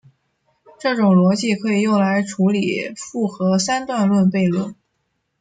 这种逻辑可以用来处理复合三段论悖论。